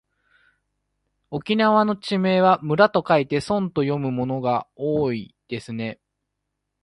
沖縄の地名は村と書いてそんと読むものが多いですね。